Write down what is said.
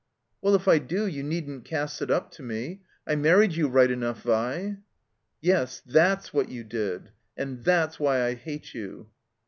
"Well, if I do, you needn't cast it up to me. I married you right enough, Vi." "Yes, that's what you did. And that's why I hate you."